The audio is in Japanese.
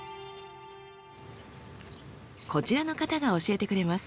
こちらの方が教えてくれます。